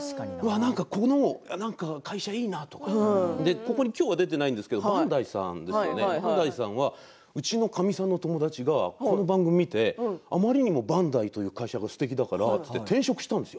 この会社いいなとか今日は出ていませんがバンダイさんうちのかみさんの友達がこの番組を見てあまりにもバンダイという会社がすてきだからと転職したんです。